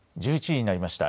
１１時になりました。